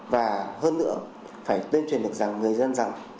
và hơn nữa phải tuyên truyền được rằng người dân rằng